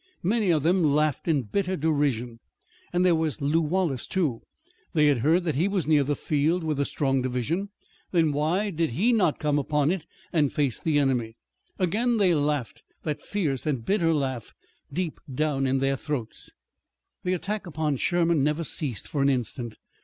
Many of them laughed in bitter derision. And there was Lew Wallace, too! They had heard that he was near the field with a strong division. Then why did he not come upon it and face the enemy? Again they laughed that fierce and bitter laugh deep down in their throats. The attack upon Sherman never ceased for an instant.